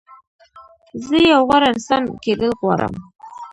زه یو غوره انسان کېدل غواړم.